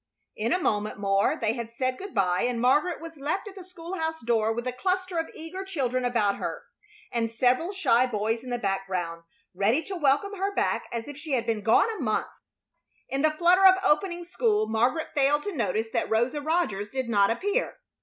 In a moment more they had said good by, and Margaret was left at the school house door with a cluster of eager children about her, and several shy boys in the background, ready to welcome her back as if she had been gone a month. In the flutter of opening school Margaret failed to notice that Rosa Rogers did not appear.